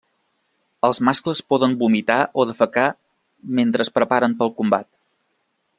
Els mascles poden vomitar o defecar mentre es preparen per al combat.